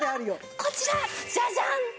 こちらジャジャン！